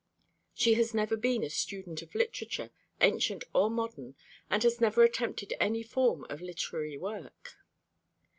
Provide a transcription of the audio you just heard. She has never been a student of literature, ancient or modern, and has never attempted any form of literary work.